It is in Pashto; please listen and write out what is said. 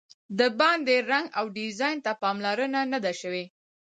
د باندې رنګ او ډیزاین ته پاملرنه نه ده شوې.